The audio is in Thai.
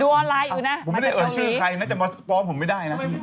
ดูออนไลน์อยู่นะมาจากตรงนี้ผมไม่ได้เอิญชื่อใครน่าจะมอสปลอมผมไม่ได้นะ